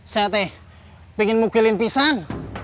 seth pengen mukilin pisan